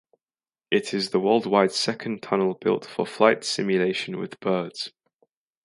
It is the worldwide second tunnel built for flight simulation with birds.